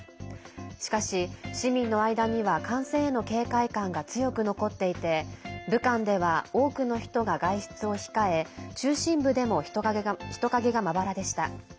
しかし、市民の間には感染への警戒感が強く残っていて武漢では、多くの人が外出を控え中心部でも人影がまばらでした。